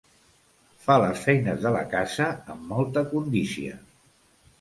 Fa les feines de la casa amb molta condícia.